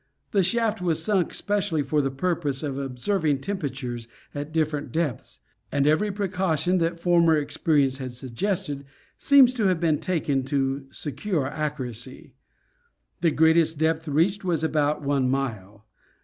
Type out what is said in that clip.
The shaft was sunk especially for the purpose of ob serving temperatures at different depths, and every precaution that former experience had suggested seems to have been taken 48 National Geographic Magazine. to secure accuracy. The greatest depth reached was about one mile.